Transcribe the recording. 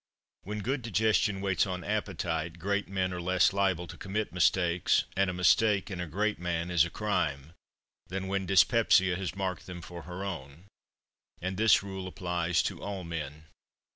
When good digestion waits on appetite, great men are less liable to commit mistakes and a mistake in a great man is a crime than when dyspepsia has marked them for her own; and this rule applies to all men.